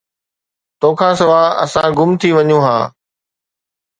توکان سواءِ، اسان گم ٿي وڃون ها